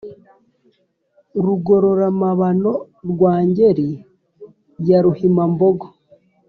Rugorora-mabano rwa Ngeri ya Ruhima-mbogo,